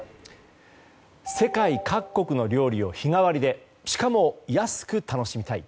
世界各国の料理を日替わりでしかも安く楽しみたい。